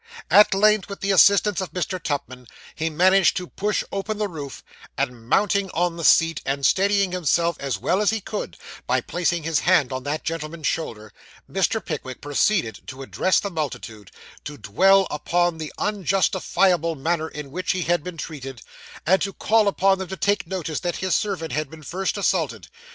At length, with the assistance of Mr. Tupman, he managed to push open the roof; and mounting on the seat, and steadying himself as well as he could, by placing his hand on that gentleman's shoulder, Mr. Pickwick proceeded to address the multitude; to dwell upon the unjustifiable manner in which he had been treated; and to call upon them to take notice that his servant had been first assaulted.